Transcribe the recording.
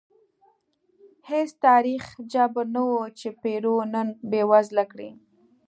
هېڅ تاریخي جبر نه و چې پیرو نن بېوزله کړي.